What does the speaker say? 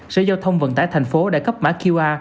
sở giao thông vận tải thành phố đã cấp mã qr